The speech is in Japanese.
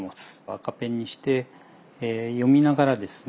赤ペンにして読みながらですね